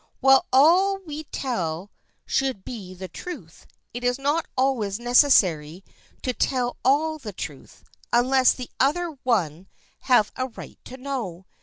While all we tell should be the truth, it is not always necessary to tell all the truth, unless the other one have a right to know.